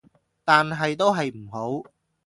但係都係唔好